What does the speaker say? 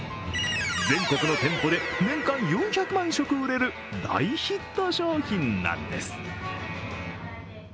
全国の店舗で年間４００万食売れる大ヒット商品なんです。